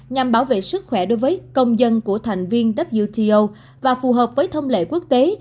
nhằm bảo vệ sức khỏe đối với công dân của thành viên wto và phù hợp với thông lệ quốc tế